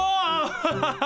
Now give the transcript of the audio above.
ハハハハハ。